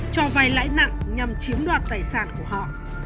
cho vay lãi nặng nhằm chiếm đoạt tài sản của họ